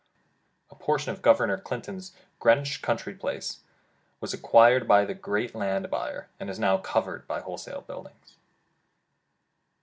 A portion of Governor Clinton's Greenwich country place, was ac quired by the great land buyer, and is now covered by wholesale buildings.